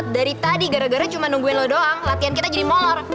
dari tadi gara gara cuma nungguin lo doang latihan kita jadi molor